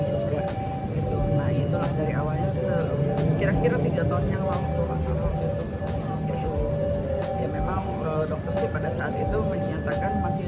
sekira kira tiga tahunnya waktu masa waktu itu ya memang dokter sih pada saat itu menyatakan masih